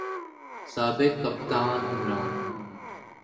سابق کپتان عمران